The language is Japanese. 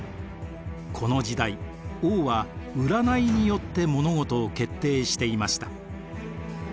この時代王は占いによって物事を決定していました。